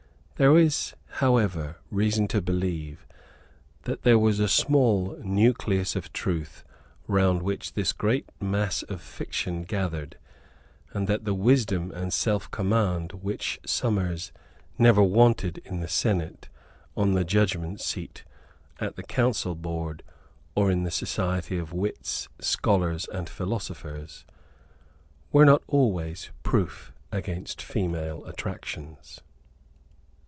There is, however, reason to believe that there was a small nucleus of truth round which this great mass of fiction gathered, and that the wisdom and selfcommand which Somers never wanted in the senate, on the judgment seat, at the council board, or in the society of wits, scholars and philosophers, were not always proof against female attractions.